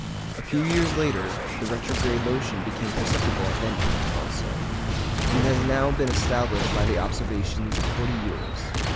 A few years later the retrograde motion became perceptible at London also, and it has now been established by the observations of forty years.